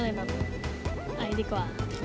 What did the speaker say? ก็เลยเอาไทยดีกว่า